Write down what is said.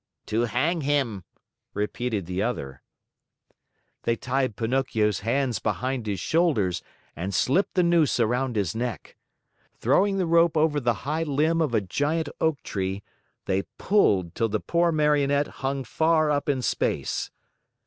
"To hang him," repeated the other. They tied Pinocchio's hands behind his shoulders and slipped the noose around his neck. Throwing the rope over the high limb of a giant oak tree, they pulled till the poor Marionette hung far up in space.